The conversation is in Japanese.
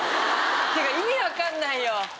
っていうか意味分かんないよ。